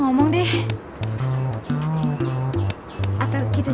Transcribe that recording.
k terma ke waktunya begitu